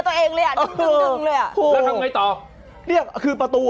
หยิบไปได้กี่ตัว